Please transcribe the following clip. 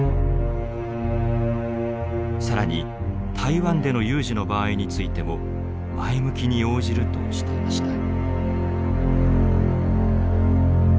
更に台湾での有事の場合についても前向きに応じるとしていました。